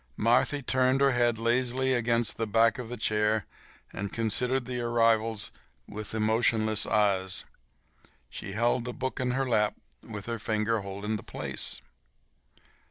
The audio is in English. Marthy turned her head lazily against the back of the chair and considered the arrivals with emotionless eyes. She held a book in her lap with her finger holding the place.